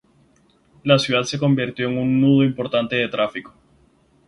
La ciudad se convirtió en un nudo importante de tráfico.